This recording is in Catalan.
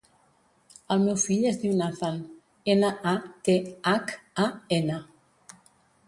El meu fill es diu Nathan: ena, a, te, hac, a, ena.